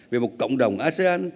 về một cộng đồng asean